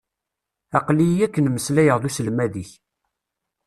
Aql-iyi akken meslayeɣ d uselmad-ik.